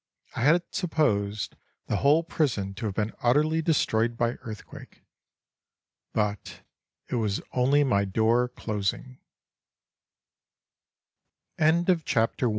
I had supposed the whole prison to have been utterly destroyed by earthquake, but it was only my door clos